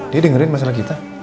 dia dengerin masalah kita